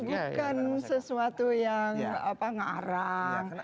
jadi bukan sesuatu yang ngarang